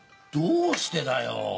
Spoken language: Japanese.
どうしてだよ。